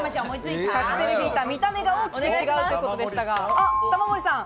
隠せるヒーター、見た目が大きく違うということでしたが、玉森さん。